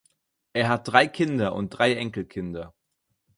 Er hat drei Kinder und drei Enkelkinder.